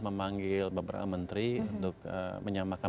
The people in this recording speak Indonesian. memanggil beberapa menteri untuk menyamakan